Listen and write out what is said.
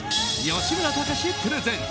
吉村崇プレゼンツ！